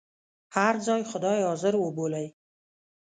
هر ځای خدای حاضر وبولئ.